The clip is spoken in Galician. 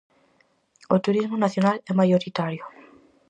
O turismo nacional é maioritario.